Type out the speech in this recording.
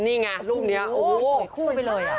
นี่ไงรูปนี้โอ้โหคู่ไปเลย